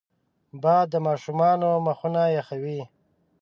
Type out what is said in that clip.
باد د ماشومانو مخونه یخوي